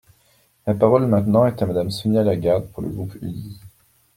La parole maintenant est à Madame Sonia Lagarde pour le groupe UDI.